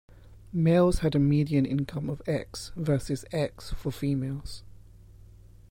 Males had a median income of X versus X for females.